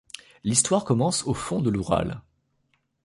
L'histoire commence au fond de l'Oural.